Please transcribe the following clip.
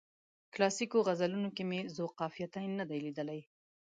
کلاسیکو غزلونو کې مې ذوقافیتین نه دی لیدلی.